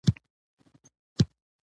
مجاهد د خپل رب رحمت ته تمه لري.